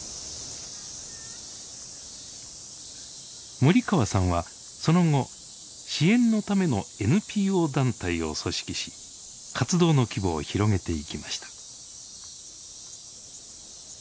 森川さんはその後支援のためのＮＰＯ団体を組織し活動の規模を広げていきました。